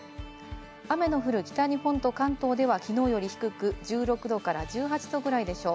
雨の降る北日本と関東ではきのうより低く、１６度から１８度くらいでしょう。